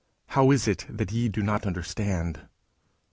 '_How is it that ye do not understand?